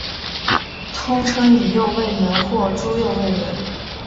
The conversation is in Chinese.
通称伊又卫门或猪右卫门。